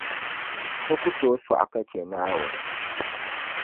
So ku tooi sɔɣi ka che Naawuni.